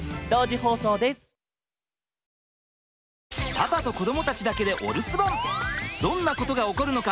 パパと子どもたちだけでお留守番どんなことが起こるのか？